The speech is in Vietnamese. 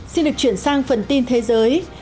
xin được chuyển sang phần tin thế giới